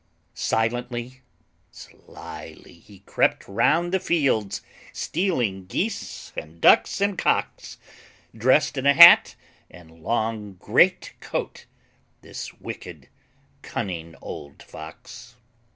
Silently, slyly, he crept round the fields, Stealing geese and ducks and cocks, Dressed in a hat and long great coat, This wicked, cunning old Fox.